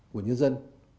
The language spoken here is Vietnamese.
của nhân dân